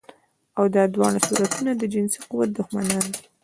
او دا دواړه صورتونه د جنسي قوت دښمنان دي